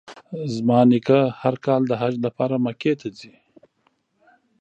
زما نیکه هر کال د حج لپاره مکې ته ځي.